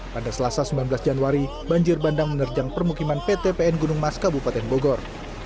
pada selasa sembilan belas januari banjir bandang menerjang permukiman pt pn gunung mas kabupaten bogor